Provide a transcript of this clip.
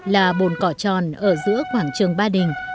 là bồn cỏ tròn ở giữa quảng trường ba đình